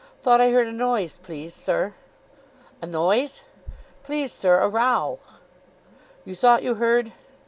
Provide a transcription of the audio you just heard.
"Thought I heard a noise, please, sir." "A noise?" "Please, sir, a row." "You thought you heard